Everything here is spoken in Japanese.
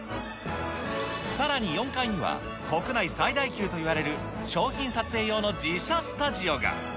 さらに４階には、国内最大級といわれる商品撮影用の自社スタジオが。